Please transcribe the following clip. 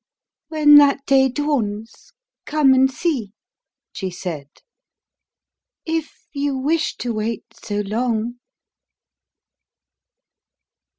"When that day dawns, come and see," she said, "if you wish to wait so long!"